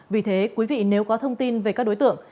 vì thế quý vị nếu có thông tin về các đối tượng